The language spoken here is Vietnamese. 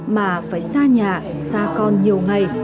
mà phải xa nhà xa con nhiều ngày